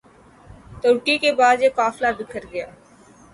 ترکی کے بعد یہ قافلہ بکھر گیا